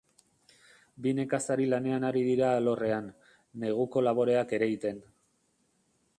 Bi nekazari lanean ari dira alorrean, neguko laboreak ereiten.